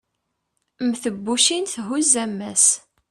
mm tebbucin thuzz ammas